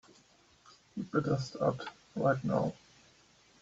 You'd better start right now.